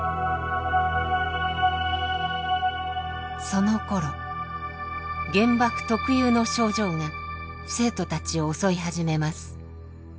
そのころ原爆特有の症状が生徒たちを襲い始めます。